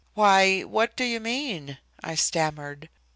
"Why, what do you mean?" I stammered.